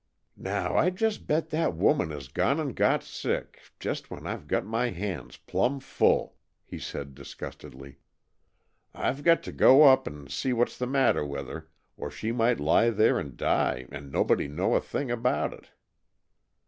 "Now, I just bet that woman has gone and got sick, just when I've got my hands plumb full!" he said disgustedly. "I've got to go up and see what's the matter with her, or she might lie there and die and nobody know a thing about it."